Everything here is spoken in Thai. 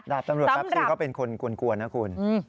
ดาบตำรวจแปฟซีเขาก็เป็นคนกวนกวนน่ะคุณ